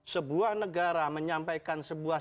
sebuah negara menyampaikan sebuah